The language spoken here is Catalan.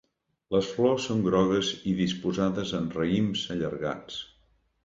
Les flors són grogues i disposades en raïms allargats.